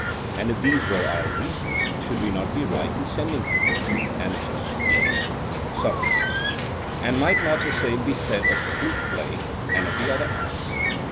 And if these were our reasons, should we not be right in sending him? ANYTUS: Yes. SOCRATES: And might not the same be said of flute playing, and of the other arts?